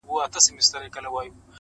له کوم ځای له کوم کتابه یې راوړی-